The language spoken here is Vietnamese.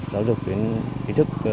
giáo dục đến ý thức